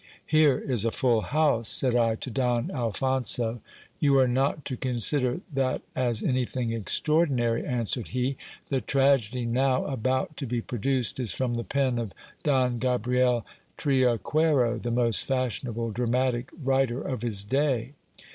Here is a full house ! said I to Don Alphonso. You are not to consider that as anything extraordinary, answered he ; the tragedy now about to be produced is from the pen of Don Gabriel Triaquero, the most fashionable dramatic writer of his day.